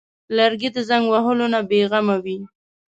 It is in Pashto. لرګی د زنګ وهلو نه بېغمه وي.